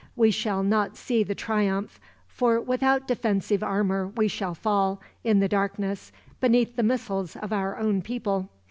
We shall not see the triumph, for without defensive armor we shall fall, in the darkness, beneath the missiles of our own people.